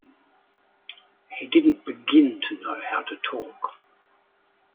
He didn’t begin to know how to talk.